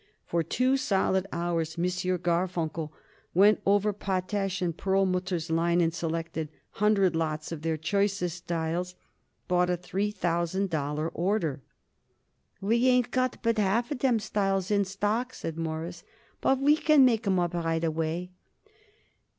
For two solid hours M. Garfunkel went over Potash & Perlmutter's line and, selecting hundred lots of their choicest styles, bought a three thousand dollar order. "We ain't got but half of them styles in stock," said Morris, "but we can make 'em up right away."